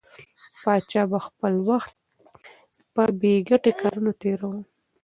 پاچا به خپل وخت په بې ګټې کارونو تېراوه.